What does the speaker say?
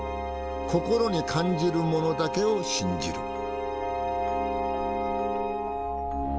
心に感じるものだけを信じる」。